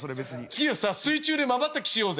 次はさ水中でまばたきしようぜ。